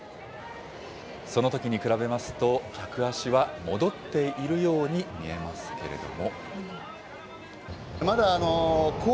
そのときに比べますと、客足は戻っているように見えますけれども。